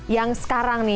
yang sekarang nih